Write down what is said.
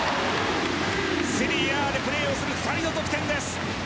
セリエＡでプレーをする２人の得点です。